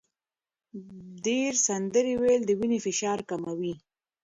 ډېر سندرې ویل د وینې فشار کموي.